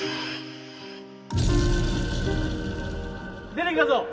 出てきたぞ！